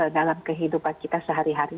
dalam kehidupan kita sehari hari